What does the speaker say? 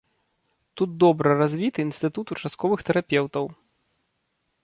Тут добра развіты інстытут участковых тэрапеўтаў.